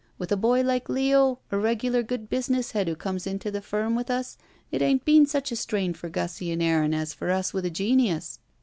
With a boy like Leo, a regular good business head who comes into the firm with us, it ain't been such a strain for Gussie and Aaron as for us with a genius.